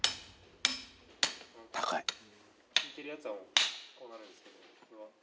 高い。